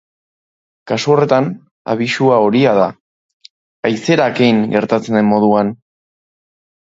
Kasu horretan, abisua horia da, haizerakein gertatzen den moduan.